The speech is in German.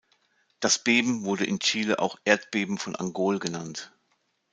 Das Beben wurde in Chile auch "Erdbeben von Angol" genannt.